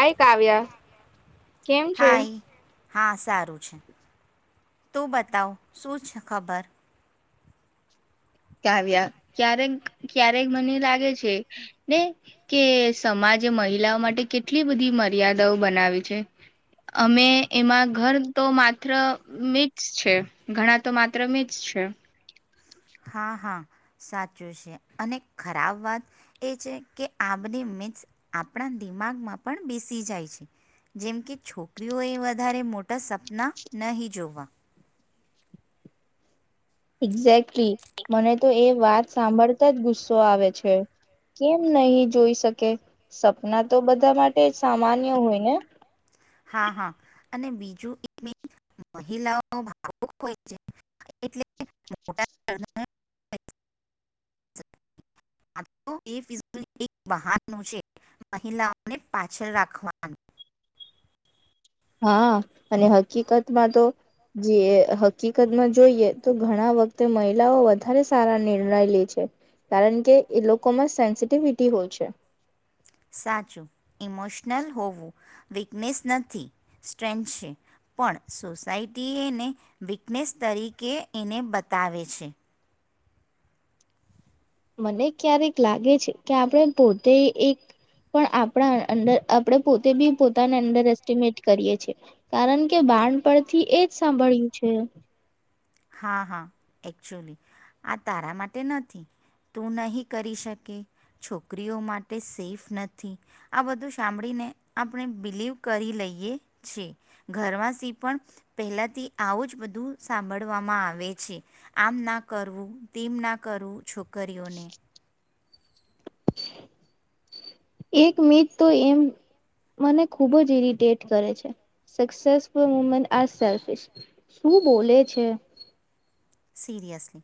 High Kavya. કેમ છે? હા સારું છે, તું બતાવ શું છે ખબર? ક આવ્યા ક્યારેક ક્યારેક મને લાગે છે, ને કે સમાજે મહિલાઓ માટે કેટલી બધી મર્યાદાઓ બનાવી છે, અમે એમાં ઘર તો માત્ર મીટ્સ છે, ઘણા તો માત્ર મીસ છે. હા હા. સાચું છે, અને ખરાબ વાત એ છે કે આ બને મિતસ આપણા દિમાગમાં પણ બેસી જાય છે, જેમ કે છોકરીઓ એ વધારે મોટા સપના નહી જોવા. એક્ઝેક્ટલી, મને તો એ વાત સાંભળતા જ ગુસ્સો આવે છે, કેમ નહી જોઈ શકે? સપના તો બધા માટે સામાન્ય હોય ને. હા હા અને બીજું મહિલાઓ ભાવ હોય છે એટહ છે મહિલાઓને પાછળ રાખવાનું [unintelligible] હા અને હકીકતમાં તો જે હકીકતમાં જોઈએ તો ઘણા વખતે મહિલાઓ વધારે સારા નિર્ણય લે છે, કારણ કે એ લોકોમાં સેન્સિટિવિટી હોય છે. સાચું, ઈમોશનલ હોવું, વીકનેસ નથી સ્ટ્રેન્થ છે, પણ સોસાયટી એને વીકનેસ તરીકે એને બતાવે છે. મને ક્યારેક લાગે છે કે આપણે પોતે એક પણ આપણા અડર આપણે પોતે બી પોતાને અંડર એસ્ટિમેટ કરીએ છેએ, કારણ કે બાણ પરથી એ જ સાંભળ્યું છે. હા હા એકચુલી, આ તારા માટે નથી તું નહીં, કરી શકે છોકરીઓ માટે સેફ નથી, આ બધું સાંભળીને આપણે બિલીવ કરી લઈએ છીએ, ઘરવાસી પણ, પહેલાંથી આવું જ બધું સાંભળ વામાં આવે છે, આમ ના કરવું તેમ ના કરવું છોકરીઓને. એક મીટ તો એમ મને ખુબ જ ઇરિટેટ કરે છે, સક્સેસુલ મુમેન્ટ આ સે શું બોલે છે. સિરિયસલી,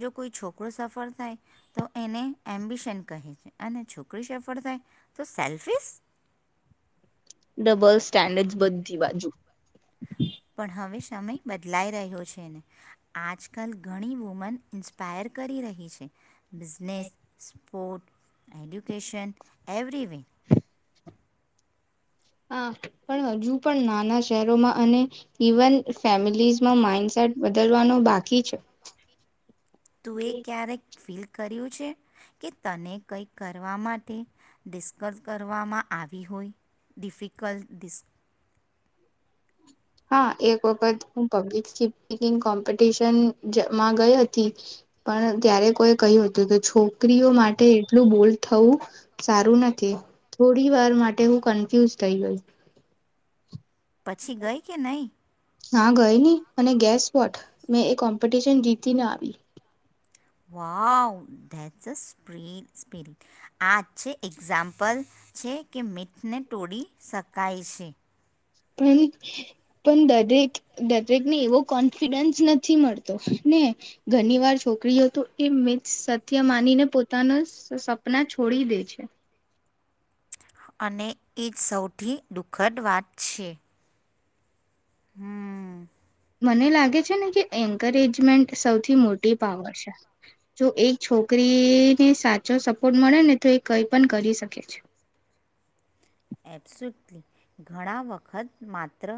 જો કોઈ છોકરોું સફળ થાય, તો એને એમ્બિશન કહે છે, અને છોકરી સફળ થાય તો સેલ્ફિસ. ડબલ સ્ટેન્ડર્ડ બધી બાજુ. પણ હવે સમય બદલાઈ રહ્યો છે ને, આજકાલ ઘણી વુમન ઇન્સ્પાયર કરી રહી છે, બિઝનેસ, સ્પોર્ટ, એડ્યુકેશન, એવરીવે. હા પણ હજુ પણ નાના શહેરોમાં અને, ઈવન ફેમિલીઝમાં માઈન્ડસેટ બદલવાનો બાકી છે. તું એ ક્યારેક ફીલ કર્યું કે તને કંઈક કરવા માટે, ડિસ્કસ કરવામાં આવી હોય, ડિફિકલ્ટ ડીસ હા, એક વખત હું પબ્લિક સ્પીકિંગ કોમ્પિટિશનમાં ગઈ હતી. પણ ત્યારે કોઈ કહ્યું હતું તો છોકરીઓ માટે એટલું બોલ થવું સારું નથી. થોડી વાર માટે હું કન્ફ્યુઝ થઈ ગઈ. પછી, ગઈ કે નહીં? હા, ગઈ ની અને ગેસ વ્હોટ, મેં એ કોમ્પિટિશન જીતીને આવી. Wow. It's a sp spirit. આ છે એક્ઝામ્પલ છે કે મીઠને તોડી શકાય છે. [inaudible] પણ દરેક દરેકને એવો કોન્ફિડન્સ નથી મળતો. ને ઘણી વાર છોકરીઓ તો એ મીઠ સત્ય માનીને, પોતાનો સપના છોડી દે છે. અને એ સૌથી દુઃખદ વાત છે. હમ! મને લાગે છે ને, કે એન્કરેજમેન્ટ સૌથી મોટી પાવર છે. જો એક છોકરીને સાચો સપોર્ટ મળે ને, તો એ કઈ પણ કરી શકે છે. એબ્સુતલી, ઘણા વખત માત્ર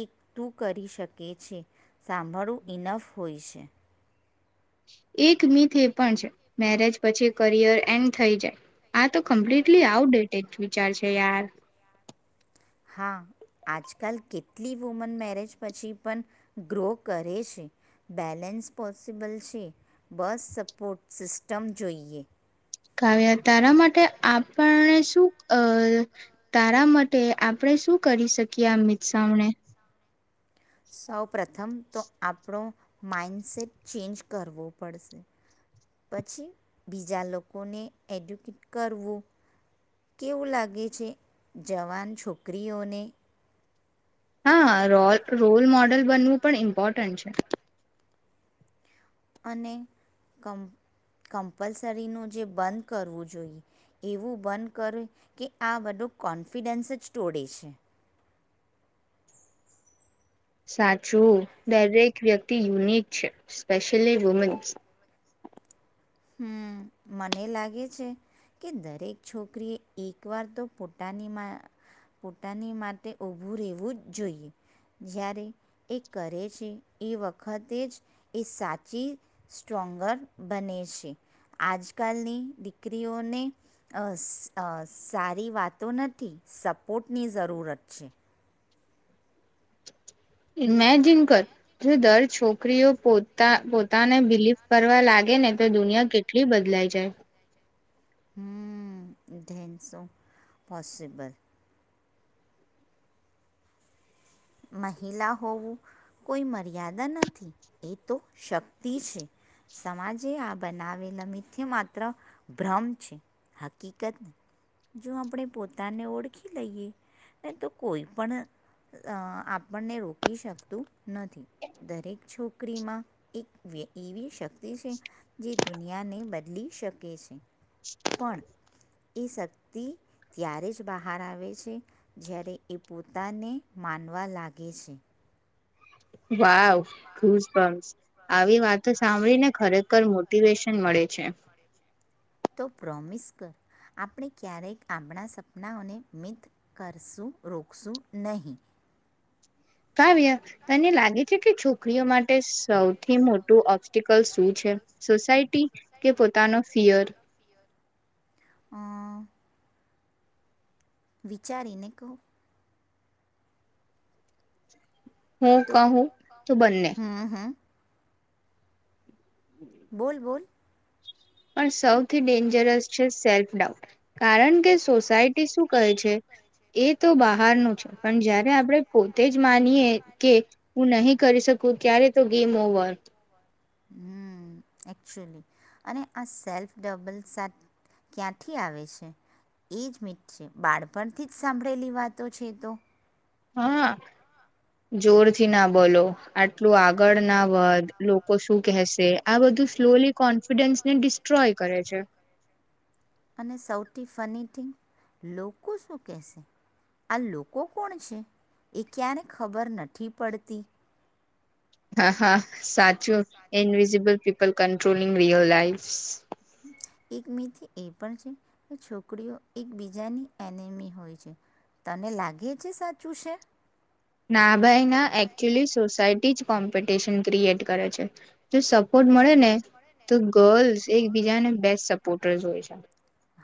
એક તું કરી શકે છે. સાંભળવું ઇનફ હોય છે. એક મીથ એ પણ છે. મેરેજ પછી કરિયર એન્ડ થઈ જાય. આ તો કમ્પ્લીટલી આઉટ ડેટેડ વિચાર છે, યાર. હા, આજકાલ કેટલી વુમન મેરેજ પછી પણ ગ્રો કરે છે. બેલેન્સ પોસિબલ છે. બસ સપોર્ટ સિસ્ટમ જોઈએ. કાવ્યા તારા માટે આપને શું અ તારા માટે આપણે શું કરી શકીએ મીઠ સામને? [inaudible] પ્રથમ તો આપણો માઇન્ડસેટ ચેન્જ કરવો પડશે. પછી બીજા લોકોને એડ્યુકેટ કરવું, કેવું લાગે છે? જવાન છોકરીઓને હા, રોલ રોલ મોડલ બનવું પણ ઇમ્પોર્ટન્ટ છે. અને કમ કમ્પલસરીનું જે બંધ કરવું જોઈએ. એવું બંધ કર કે આ બધું કોન્ફિડન્સ જ તોડે છે. સાચું, દરેક વ્યક્તિ યુનિક છે. Specially womens. હમ! મને લાગે છે કે દરેક છોકરીએ એકવાર તો પોતાની પોતાની માટે ઊભું રહેવું જ જોઈએ. જ્યારે એ કરે છે, એ વખતે જ એ સાચી સ્ટ્રોંગર બને છે. આજકાલની દીકરીઓને અસ અસ સારી વાતો નથી. સપોર્ટની જરૂરત છે. ઇમેજિન કર. જો દર છોકરીઓ પોતા પોતાને બિલીવ કરવા લાગે ને, તો દુનિયા કેટલી બદલાઈ જાય! હમ! Then so possible. મહિલા હોવું કોઈ મર્યાદા નથી. એ તો શક્તિ છે. સમાજે આ બનાવેલા મિથ માત્ર ભ્રમ છે. હકીકત, જો આપણે પોતાને ઓળખી લઈએ ને તો કોઈ પણ. આપણને રોકી શકતું નથી. દરેક છોકરીમાં એક વ્ય એવી શક્તિ છે. જે દુનિયાને બદલી શકે છે. પણ એ શક્તિ ત્યારે જ બહાર આવે છે, જ્યારે એ પોતાને. માનવા લાગે છે. વાવ, ગુઝબમ્સ! આવી વાતો સાંભળીને ખરેખર મોટિવેશન મળે છે. તો પ્રોમિસ કર, આપણે ક્યારેક આપણા સપનાઓને મિઠ કરશું રોકશું નહીં. કાવ્યા, તને લાગે છે કે છોકરીઓ માટે સૌથી મોટું ઓબસ્ટેકલ. કલ શું છે, સોસાયટી? કે પોતાનો ફીયર? અ! વિચારીને કહું. હું કહું તો, બંને. બોલ બોલ. પણ સૌ. થી ડેન્જરસ છે, સેલ્ફ. કારણ કે સોસાયટી શું કહે છે, એ તો બહારનું છે. પણ જયારે આપણે પોતે જ માનીએ, કે હું નહીં. કરી શકું, ક્યારે તો ગેમ ઓવર. હમ એકચુલી, અને આ સેલ્ફ ડબલ સા ક્યાંથી આવે છે. એ જ મીઠ છે. બાળપણથી જ સાંભળેલી વાતો છે એ તો. હા, જોરથી ના બોલો આટલું આગ. ગડના વદ લું. લોકો શું કહેશે આ બધું સ્લોલી કોન્ફિડન્સને ડિસ્ટ્રોય કરે છે. અને સૌથી ફની ટિંગ, લોકો શું કહેશે, આ લોકો કોણ છે એ ક્યારે ખબર નથી પડતી. હા હા સાચ invisible people controlling real life એક મીથી એ પણ છે કે છોકરીઓ એકબીજાની એનેમી હોય છે, તને લાગે છે સાચું છે? ના ભાઈ ના એકચુલી સોસાયટી જ કોમ્પિટિશન ક્રિએટ કરે છે, જો સપોર્ટ મળે ને, તો ગર્લ્સ એકબીજાને બેસ્ટ સપોર્ટર્સ હોય છે.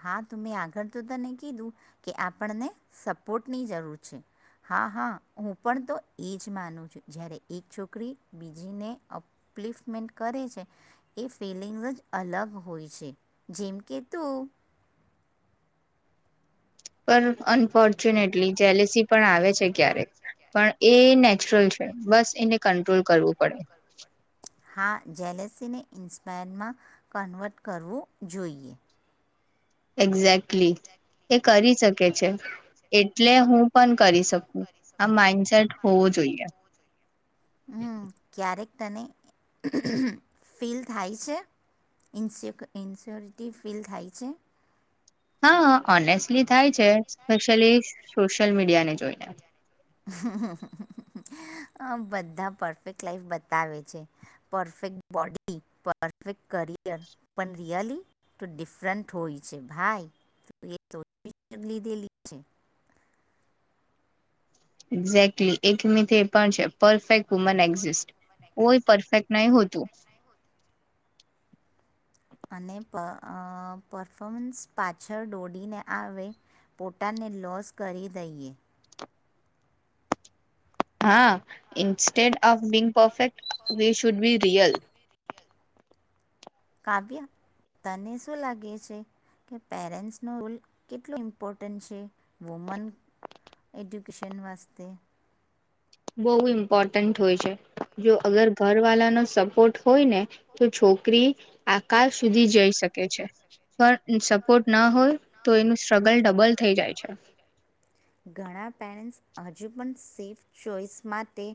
હા ત મેં આગળ તો તને કીધું, કે આપણને સપોર્ટની જરૂર છે, હા હા હું પણ તો એ જ માનું છું જારે એક છોકરી બીજીને અપફમેન્ટ કરે છે, એ ફિલિંગ્સ જ અલગ હોય છે, જેમકે તું. પર અનપઢ ર્ચ્યુનેટલી જેલેસી પણ આવે છે. ક્યારે, પણ એ નેચરલ છે, બસ એને કંટ્રોલ કરવું પડે. હા જેલેસીને ઇન્સ્પાયરમાં, કન્વર્ટ કરવું જોઈએ. એક્ઝેક્ટલી, એ કરી શકે છે, એટલે હું પણ કરી શકું. આ માઇન્ડસેટ હોવો જોઈએ. હમ્મ ક્યારેક. તને ફીલ થાય છે, ઇન્સ ઇન્સ્યોરિટી ફીલ થાય છે. હા ઓનેસ્ટલી થાય છે સ્પેશલી. સોશિયલ મીડિયા ને જોઈને. આ બધા પરફેક્ટ લાાઈફ બતાવે છે? પરફેક્ટ બોડી, પરફેક્ટ કરિયરપણ રિયલી તો ડિફરન્ટ હોય છે ભાઈ એ લીધેલી છે. એક્ઝેક્ટલી એકમિતતે એ પણ છે, પરફેક્ટ વુમન એક્ઝિસ્ટ કોઈ પરફેક્ટ નહી હોતું. અને પર પરફોમન્સ પાછળ દોડીને આવે પોતાને લોસ કરી દઈએ. High state of being perfect. We should be real. Kavya તને શું લાગે છે કે, પેરેન્ટ્સનો રોલ કેટલો ઇમ્પોર્ટન્ટ છે વુમન એડ્યુકેશન વાસ્તે. બહુ ઇમ્પોર્ટન્ટ હોય છે, જો અગર ઘરવાળાનો સપોર્ટ હોય ને તો છોકરી આકાશ સુધી જઈ શકે છે, પણ શક ઘણાં પેરેન્સ. હજુ પણ સેફ ચોઈસ માટે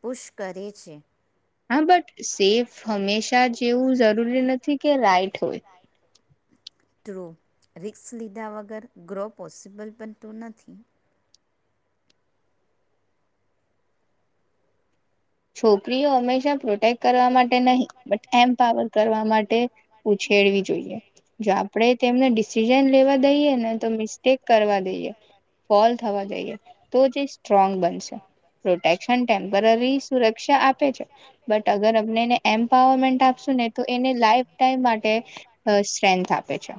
પુશ કરે છે. હા બટ સેફ હંમેશા જ. કેવું જરૂરી નથી. કે રાઈટ હોય. ટ્રુ રિક્સ લીધા વગર ગ્રો પોસિબલ પણ તું નથી. છોકરીઓ હંમેશા પ્રોટેક્ટ કરવા માટે નહી બટ એમ્પાવર કરવા માટે ઉછેડવી જોઈએ, જો આપણે તેમને ડિસિઝન લેવા દઈએ ને તો મિસ્ટેક કરવા દઈએ ફો થ તો જે સ્ટ્રોંગ બનશે પ્રોટેક્શન ટેમ્પરરી. સુરક્ષા આપે છે બટ અગર અમને એને એમ્પાવરમેન્ટ આપશું ને તો એને લાઈફ ટાઈમ માટે સ્ટ્રેન્થ આપે છે.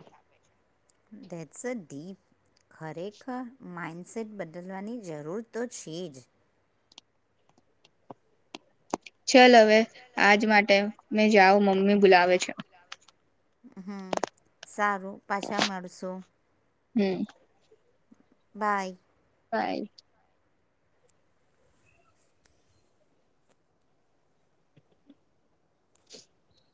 ખરેખર મા સેટ બદલવાની જરૂર તો છે જ. ચલ હવે આજ માટે. મેં જાવ મમ્મી બુલાવે છે. હમ્મ સારું પાછા મળશું હમ્મ. બાય. બાય. [inaudible]